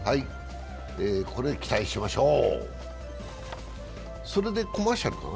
ここに期待しましょう。